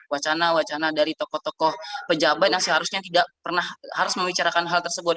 wacana wacana dari tokoh tokoh pejabat yang seharusnya tidak pernah harus membicarakan hal tersebut